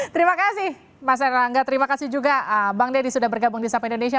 terima kasih mas erlangga terima kasih juga bang deddy sudah bergabung di sapa indonesia